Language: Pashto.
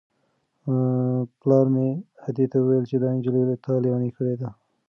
پلار مې ادې ته وویل چې دا نجلۍ تا لېونۍ کړې ده.